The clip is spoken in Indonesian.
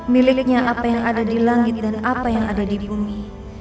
miliknya apa yang ada di langit dan apa yang ada di bumi